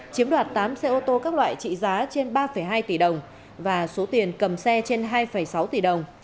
chiếm đoạt tám xe ô tô các loại trị giá trên ba hai tỷ đồng và số tiền cầm xe trên hai sáu tỷ đồng